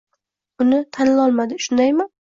uni tanlolmaydi, shundaymi?